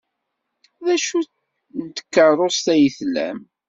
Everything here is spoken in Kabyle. D acu n tkeṛṛust ay tlam?